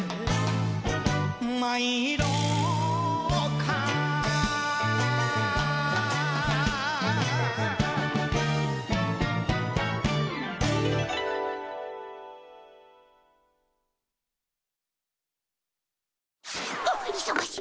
はあいそがしい！